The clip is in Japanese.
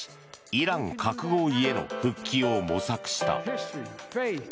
イラン核合意への復帰を模索した。